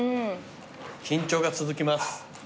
緊張が続きます。